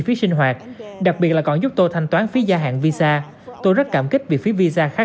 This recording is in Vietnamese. phí sinh hoạt đặc biệt là còn giúp tôi thanh toán phí gia hạn visa tôi rất cảm kích vì phí visa khá